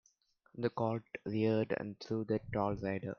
The colt reared and threw the tall rider.